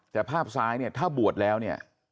แต่ภาพซ้ายเนี่ยถ้าบวชแล้วเนี่ย